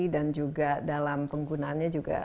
dan juga dalam penggunaannya juga